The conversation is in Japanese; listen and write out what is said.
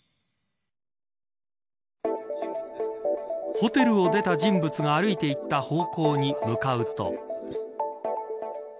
ホテルを出た人物が歩いていった方向に向かうと。